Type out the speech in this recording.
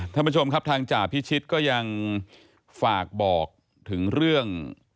ท่านผู้ชมครับทางจ่าพิชิตก็ยังฝากบอกถึงเรื่อง